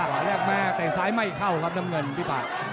ขวาหยากมากแต่ซ้ายไม่เข้าครับดำเงินพี่ป่า